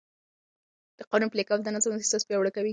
د قانون پلي کول د نظم احساس پیاوړی کوي.